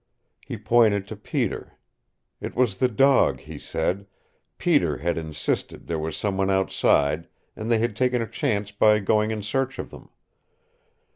He pointed to Peter. It was the dog, he said. Peter had insisted there was someone outside, and they had taken a chance by going in search of them.